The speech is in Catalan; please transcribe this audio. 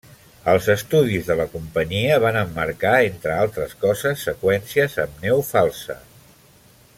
Els estudis de la companyia van emmarcar, entre altres coses, seqüències amb neu falsa.